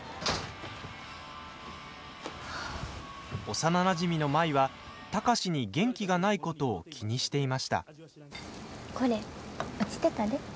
幼なじみの舞は貴司に元気がないことを気にしていました。